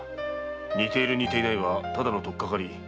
似ている似ていないは取っかかり。